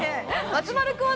松丸君は？